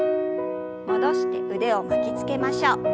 戻して腕を巻きつけましょう。